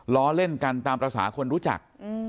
ล้อเล่นกันตามภาษาคนรู้จัก